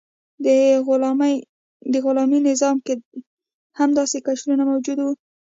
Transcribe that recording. په غلامي نظام کې هم داسې اقشار موجود وو.